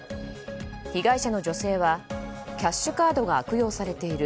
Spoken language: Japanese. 被害者の女性はキャッシュカードが悪用されている。